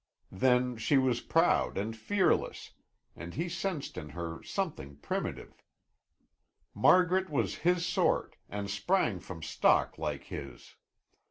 Then she was proud and fearless, and he sensed in her something primitive. Margaret was his sort and sprang from stock like his.